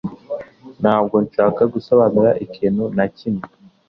Ntabwo nshaka gusobanura ikintu na kimwe